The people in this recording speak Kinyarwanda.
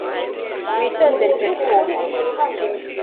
witondere icyo cyuma